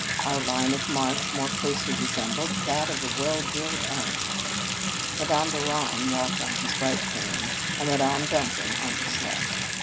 Our line of march more closely resembled that of a well drilled army. Madame Bouron walked on his right hand, and Madame Duncan on his left.